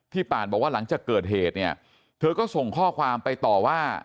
ป่านบอกว่าหลังจากเกิดเหตุเนี่ยเธอก็ส่งข้อความไปต่อว่า